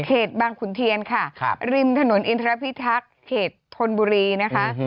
บางขุนเทียนค่ะริมถนนอินทรพิทักษ์เขตธนบุรีนะคะ